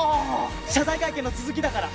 謝罪会見の続きだから。